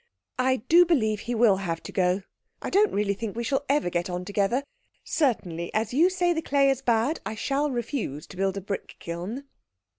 I do believe he will have to go. I don't really think we shall ever get on together. Certainly, as you say the clay is bad, I shall refuse to build a brick kiln."